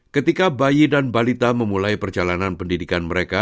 ketika bayi dan balita memulai perjalanan pendidikan mereka